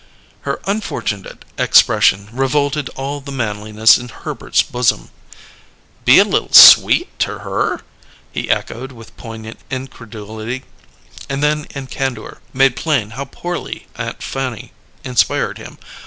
Her unfortunate expression revolted all the manliness in Herbert's bosom. "Be a little sweet to her?" he echoed with poignant incredulity, and then in candour made plain how poorly Aunt Fanny inspired him.